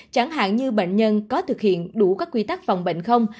chẳng hạn như bệnh nhân có thực hiện đủ các quy tắc phòng bệnh không